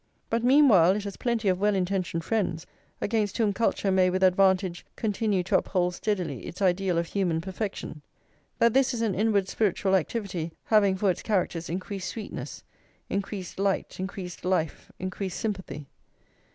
But meanwhile it has plenty of well intentioned friends against whom culture may with advantage continue to uphold steadily its ideal of human perfection; that this is an inward spiritual activity, having for its characters increased sweetness, increased light, increased life, increased sympathy.